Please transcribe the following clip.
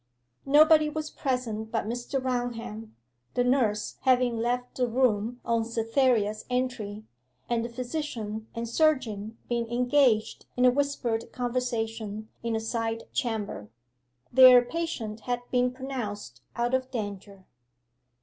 Nobody was present but Mr. Raunham, the nurse having left the room on Cytherea's entry, and the physician and surgeon being engaged in a whispered conversation in a side chamber. Their patient had been pronounced out of danger.